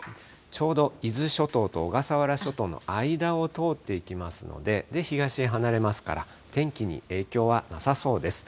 ちょうど伊豆諸島と小笠原諸島の間を通っていきますので、東へ離れますから、天気に影響はなさそうです。